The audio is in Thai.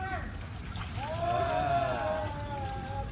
นะครับ